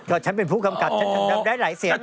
ก็ฉันเป็นผู้กำกับฉันทำได้หลายเสียง